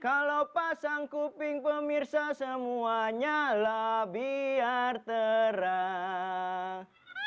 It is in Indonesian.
kalau pasang kuping pemirsa semuanya lah biar terang